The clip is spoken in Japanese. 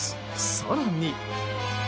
更に。